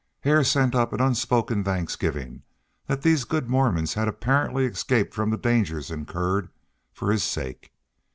Hare sent up an unspoken thanksgiving that these good Mormons had apparently escaped from the dangers incurred for his sake.